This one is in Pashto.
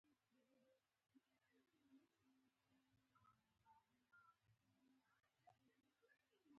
ویلما وویل